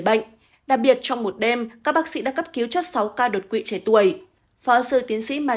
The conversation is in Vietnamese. bệnh đặc biệt trong một đêm các bác sĩ đã cấp cứu cho sáu ca đột quỵ trẻ tuổi phó sư tiến sĩ mai